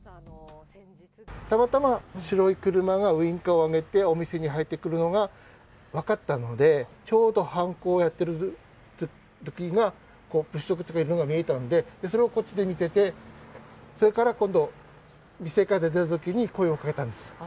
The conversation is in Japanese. たまたま白い車がウインカーを上げてお店に入ってくるのが分かったので、ちょうど犯行やってるときが、物色っていうのが見えたので、それをこっちで見てて、それから今度、店から出たときに声をかけたんです。